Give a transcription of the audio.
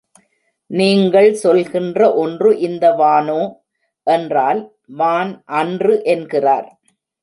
நீங்கள் சொல்கின்ற ஒன்று இந்த வானோ? என்றால் வான் அன்று என்கிறார்.